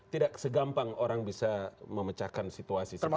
tidak segampang orang bisa memecahkan situasi seperti ini